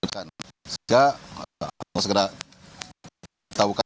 sehingga kita harus segera mengetahukan